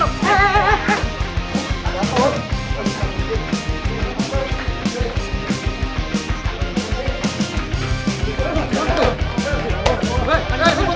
gue mau hajar disini